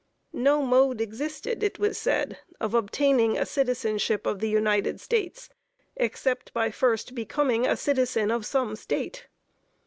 No mode existed, it was said, of obtaining a citizenship of the United States except by first becoming a citizen of some State.